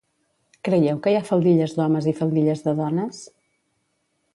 Creieu que hi ha faldilles d'homes i faldilles de dones?